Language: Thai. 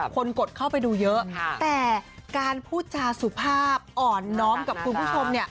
กดเข้าไปดูเยอะแต่การพูดจาสุภาพอ่อนน้อมกับคุณผู้ชมเนี่ย